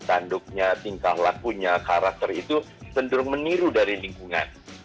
tanduknya tingkah lakunya karakter itu cenderung meniru dari lingkungan